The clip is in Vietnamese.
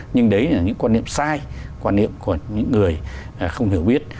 nhưng đấy là những quan niệm sai quan niệm của những người không hiểu biết